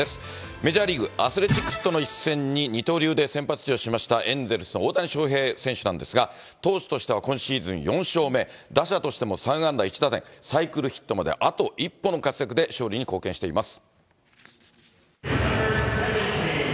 メジャーリーグ、アスレチックスとの一戦に二刀流で先発出場しましたエンゼルスの大谷翔平選手なんですが、投手としては今シーズン４勝目、打者としても３安打１打点、サイクルヒットまであと１本の活躍で勝利に貢献しています。